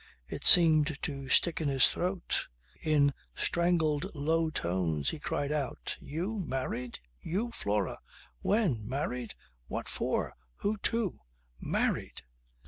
It seemed to stick in his throat. In strangled low tones he cried out, "You married? You, Flora! When? Married! What for? Who to? Married!"